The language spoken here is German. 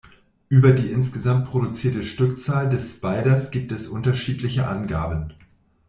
Über die insgesamt produzierte Stückzahl des Spiders gibt es unterschiedliche Angaben.